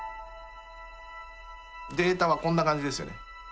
データはこんな感じですよね。